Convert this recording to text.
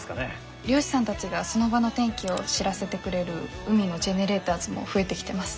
漁師さんたちがその場の天気を知らせてくれる海のジェネレーターズも増えてきてます。